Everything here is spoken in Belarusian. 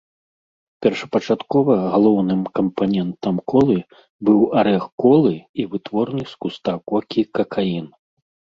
Першапачаткова галоўным кампанентам колы быў арэх колы і вытворны з куста кокі какаін.